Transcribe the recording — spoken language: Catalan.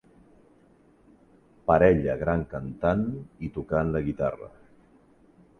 Parella gran cantant i tocant la guitarra.